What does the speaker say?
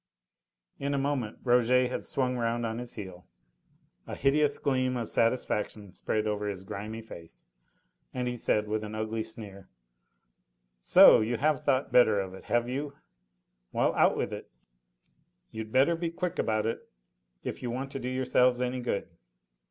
In a moment Rouget had swung round on his heel, a hideous gleam of satisfaction spread over his grimy face, and he said, with an ugly sneer: "So! you have thought better of it, have you? Well, out with it! You'd better be quick about it if you want to do yourselves any good."